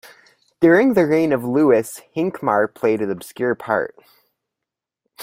During the reign of Louis, Hincmar played an obscure part.